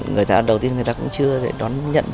người ta đầu tiên cũng chưa đón nhận